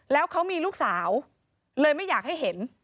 แล้วเขามีลูกสาวเลยไม่อยากให้เห็น